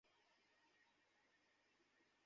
আমার তো যাওয়ার সময় এসে গেছে।